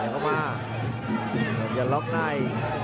อย่าล็อกใน